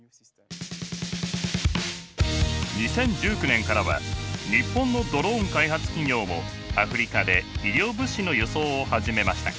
２０１９年からは日本のドローン開発企業もアフリカで医療物資の輸送を始めました。